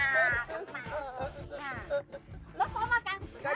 lo tau gak